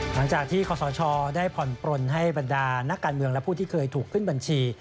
หลังจากที่ขอสชได้ผ่อนปลนให้บรรดานักการเมืองและผู้ที่เคยถูกขึ้นบัญชี